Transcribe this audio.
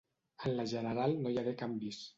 En la general no hi hagué canvis.